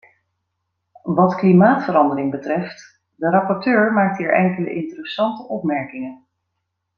Wat klimaatverandering betreft: de rapporteur maakt hier enkele interessante opmerkingen.